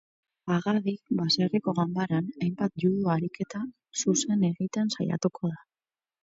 Pagadi, baserriko ganbaran hainbat judo ariketa zuzen egiten saiatuko da.